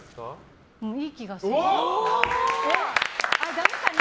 ダメかな？